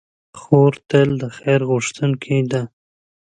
خور تل د خیر غوښتونکې ده.